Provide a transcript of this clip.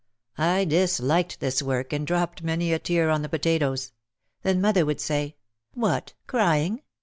I disliked this work and dropped many a tear on the potatoes. Then mother would say, "What, crying?